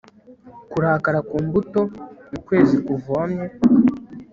kurakara ku mbuto ukwezi kuvomye